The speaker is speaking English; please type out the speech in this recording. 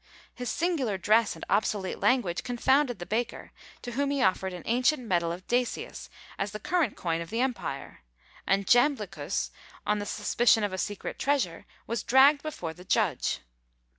His singular dress and obsolete language confounded the baker, to whom he offered an ancient medal of Decius as the current coin of the empire; and Jamblichus, on the suspicion of a secret treasure, was dragged before the judge.